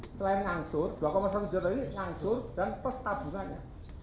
selain ngangsur dua satu juta ini ngangsur dan plus tabungannya